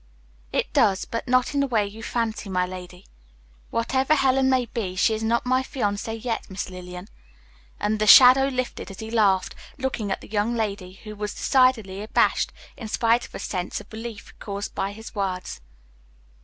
"It does, but not in the way you fancy, my lady. Whatever Helen may be, she is not my fiancee yet, Miss Lillian." And the shadow lifted as he laughed, looking at the young lady, who was decidedly abashed, in spite of a sense of relief caused by his words.